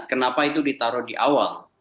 kenapa itu ditaruh di awal